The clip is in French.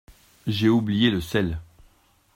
J’ai oublié le sel.